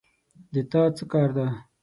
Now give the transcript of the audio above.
د تا کار څه ده